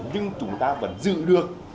nhưng chúng ta vẫn giữ được